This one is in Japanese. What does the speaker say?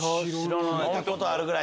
聞いたことはあるぐらい。